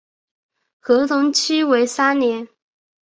合同期为三年。